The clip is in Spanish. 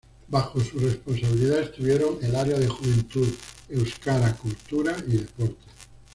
Bajo su responsabilidad estuvieron el área de Juventud, Euskara, Cultura y Deportes.